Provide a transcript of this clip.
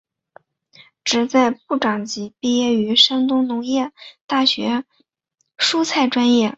旨在部长级毕业于山东农业大学蔬菜专业。